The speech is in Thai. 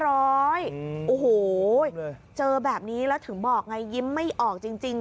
โอ้โหเจอแบบนี้แล้วถึงบอกไงยิ้มไม่ออกจริง